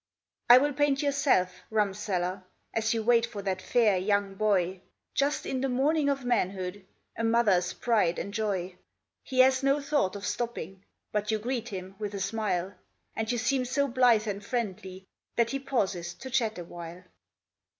I will paint yourself, rumseller, As you wait for that fair young boy, Just in the morning of manhood, A mother's pride and joy. He has no thought of stopping, But you greet him with a smile, And you seem so blithe and friendly, That he pauses to chat awhile.